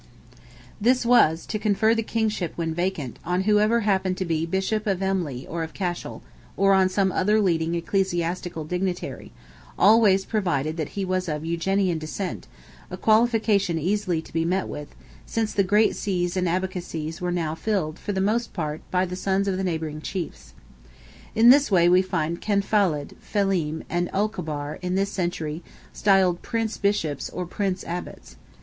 This was, to confer the kingship when vacant, on whoever happened to be Bishop of Emly or of Cashel, or on some other leading ecclesiastical dignitary, always provided that he was of Eugenian descent; a qualification easily to be met with, since the great sees and abbacies were now filled, for the most part, by the sons of the neighbouring chiefs. In this way we find Cenfalad, Felim, and Olcobar, in this century, styled Prince Bishops or Prince Abbots.